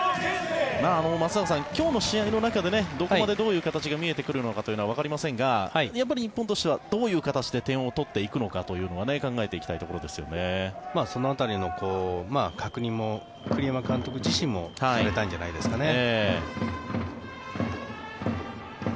松坂さん、今日の試合の中でどこまで、どういう気持ちが見えてくるかはわかりませんがやっぱり日本としてはどういう形で点を取っていくのかというのはその辺りの確認も栗山監督自身もされたんじゃないですかね。